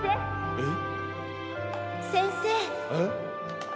えっ！？